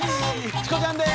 チコちゃんです！